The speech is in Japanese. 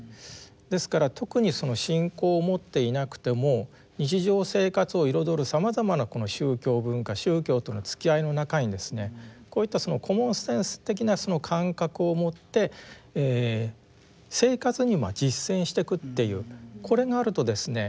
ですから特に信仰を持っていなくても日常生活を彩るさまざまな宗教文化宗教とのつきあいの中にですねこういったコモンセンス的な感覚を持って生活に実践していくっていうこれがあるとですね